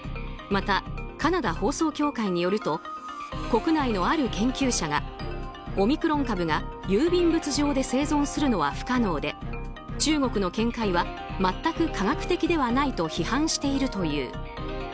また、カナダ放送協会によると国内のある研究者がオミクロン株が郵便物上で生存するのは不可能で中国の見解は全く科学的ではないと批判しているという。